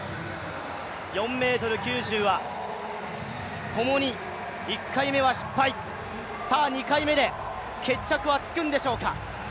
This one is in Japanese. ４ｍ９０はともに１回目は失敗、２回目で決着はつくんでしょうか。